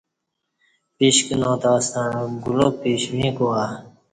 پیش کنا تاستݩع گلاب پیش ویݣ گوا